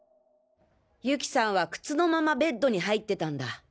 ユキさんは靴のままベッドに入ってたんだ。